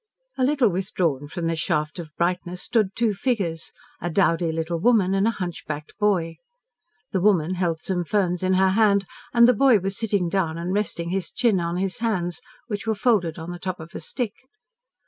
A little withdrawn from this shaft of brightness stood two figures, a dowdy little woman and a hunchbacked boy. The woman held some ferns in her hand, and the boy was sitting down and resting his chin on his hands, which were folded on the top of a stick.